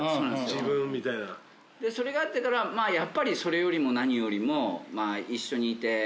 でそれがあってからやっぱりそれよりも何よりも。